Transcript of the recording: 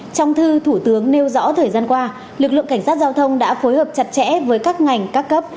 trong thư thủ tướng nêu rõ thời gian qua lực lượng cảnh sát giao thông đã phối hợp chặt chẽ với các ngành các cấp